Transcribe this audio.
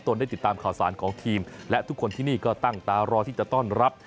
ได้ติดตามข่าวสารของทีมและทุกคนที่นี่ก็ตั้งตารอที่จะต้อนรับ